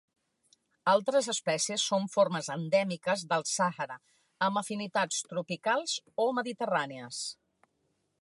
Altres espècies són formes endèmiques del Sàhara amb afinitats tropicals o mediterrànies.